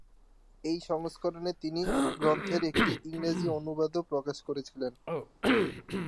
এই সংস্করণে তিনি এই গ্রন্থের একটি ইংরেজি অনুবাদও প্রকাশ করেহচিলেন।